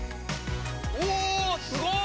うおすごい！